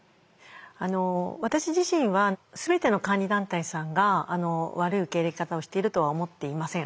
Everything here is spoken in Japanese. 私自身は全ての監理団体さんが悪い受け入れ方をしているとは思っていません。